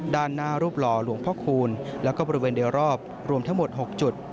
ด้านหน้ารูปหล่อหลวงพ่อคูณแล้วก็บริเวณเดียวรอบรวมทั้งหมด๖จุด